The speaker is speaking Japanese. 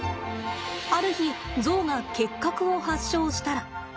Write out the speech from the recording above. ある日ゾウが結核を発症したら。